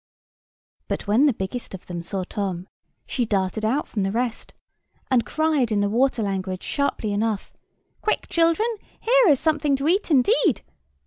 But, when the biggest of them saw Tom, she darted out from the rest, and cried in the water language sharply enough, "Quick, children, here is something to eat, indeed!"